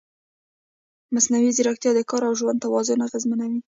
مصنوعي ځیرکتیا د کار او ژوند توازن اغېزمنوي.